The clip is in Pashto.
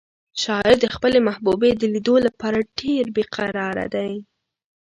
شاعر د خپلې محبوبې د لیدو لپاره ډېر بې قراره دی.